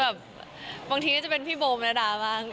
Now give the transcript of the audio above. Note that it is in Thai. บางทีจะเป็นพี่โบมะดา